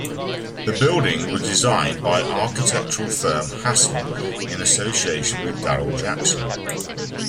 The building was designed by architectural firm Hassell, in association with Daryl Jackson.